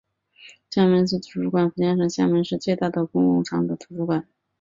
厦门市图书馆是福建省厦门市最大的公共图书馆。